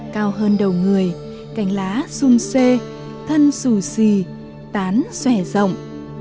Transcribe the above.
cao hơn đầu người cánh lá xung xê thân xù xì tán xòe rộng